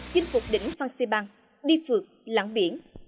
chinh phục đỉnh phan xê băng đi phượt lặng biển